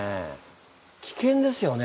危険ですよね